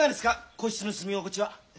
個室の住み心地は。